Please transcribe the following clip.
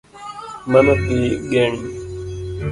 Mano dhi geng'